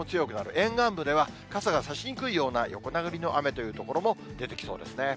沿岸部では傘が差しにくいような、横殴りの雨という所も出てきそうですね。